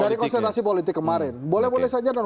dari kontestasi politik kemarin boleh boleh saja dan